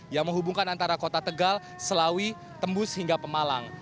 yang menghubungkan antara kota tegal selawi tembus hingga pemalang